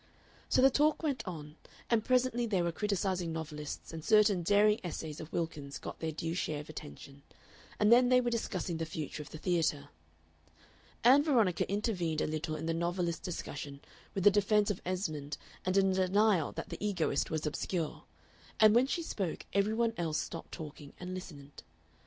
So the talk went on, and presently they were criticising novelists, and certain daring essays of Wilkins got their due share of attention, and then they were discussing the future of the theatre. Ann Veronica intervened a little in the novelist discussion with a defence of Esmond and a denial that the Egoist was obscure, and when she spoke every one else stopped talking and listened.